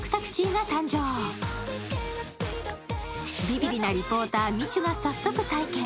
ビビりなリポーター、みちゅが早速、体験。